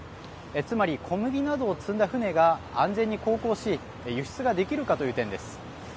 つまり、小麦などを積んだ船が安全に航行し輸出ができるかという点です。